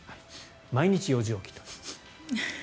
毎日４時起きと。